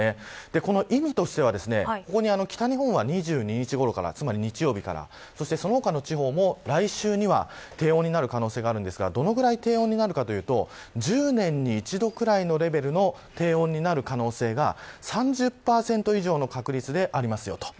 この意味としてはここに、北日本が２２日ごろからつまり日曜日からその他の地方も来週には低温になる可能性がありますがどれぐらい低温になるかというと１０年に一度ぐらいのレベルの低温になる可能性が３０％以上の確率でありますよと。